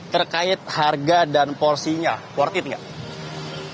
terkait harga dan porsinya worth it nggak